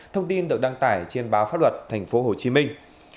thông tin được đăng tải trên báo pháp luật thành phố hồ chí minh